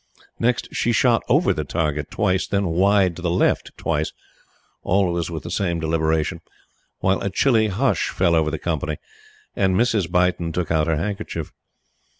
Next, she shot over the target twice, then wide to the left twice always with the same deliberation while a chilly hush fell over the company, and Mrs. Beighton took out her handkerchief.